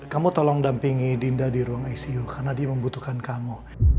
kamu tolong dampingi dinda di ruang icu karena dia membutuhkan kamu